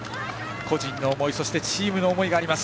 個人の思いそしてチームの思いがあります。